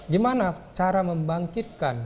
gimana cara membangkitkan